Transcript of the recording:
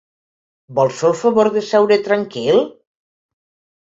Vols fer el favor de seure tranquil?